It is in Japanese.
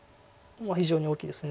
非常に大きいです。